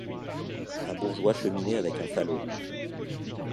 Un bourgeois cheminait avec un falot.